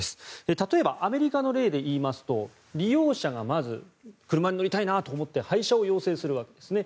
例えばアメリカの例で言いますと利用者がまず車に乗りたいなと思って配車を要請するわけですね。